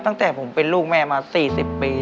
ตั้งแต่ผมเป็นลูกแม่มา๔๐ปี